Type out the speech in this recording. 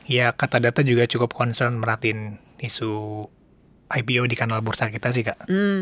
ya kata data juga cukup concern merhatiin isu ipo di kanal bursa kita sih kak